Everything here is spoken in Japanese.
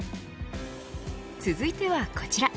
続いてはこちら。